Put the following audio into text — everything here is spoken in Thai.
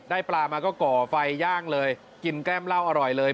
ปลามาก็ก่อไฟย่างเลยกินแก้มเหล้าอร่อยเลย